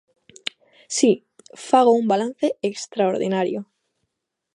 Si, fago un balance extraordinario.